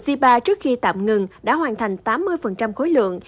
gói thầu c ba đạm ngừng đã hoàn thành tám mươi khối lượng